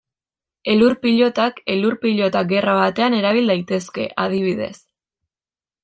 Elur-pilotak elur-pilota gerra batean erabil daitezke, adibidez.